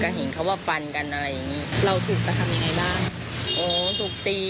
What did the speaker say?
เห็นเขาว่าฟันกันอะไรอย่างงี้เราถูกกระทำยังไงบ้างโอ้ถูกตี